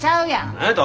何やと？